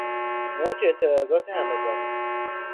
موج اعتراضات همگانی